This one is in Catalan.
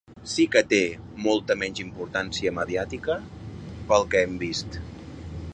Sí que té molta menys importància mediàtica, pel que hem vist.